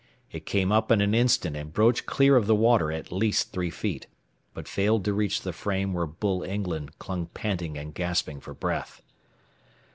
It came up in an instant and broached clear of the water at least three feet, but failed to reach the frame where Bull England clung panting and gasping for breath.